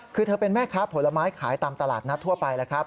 คือเธอเป็นแม่ค้าผลไม้ขายตามตลาดนัดทั่วไปแล้วครับ